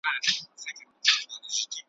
پنجرې دي د فولادو زما وزر ته نه ټینګېږي `